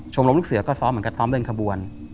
ลมลูกเสือก็ซ้อมเหมือนกันซ้อมเล่นขบวน